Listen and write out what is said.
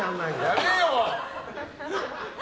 やれよ！